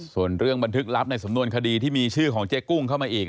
ส่วนเรื่องบันทึกลับในสำนวนคดีที่มีชื่อของเจ๊กุ้งเข้ามาอีก